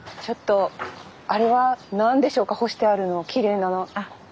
ちょっとあれは何でしょうか干してあるのきれいなの。